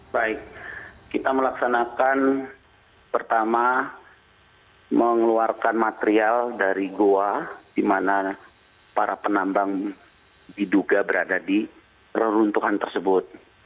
baik kita melaksanakan pertama mengeluarkan material dari goa di mana para penambang diduga berada di reruntuhan tersebut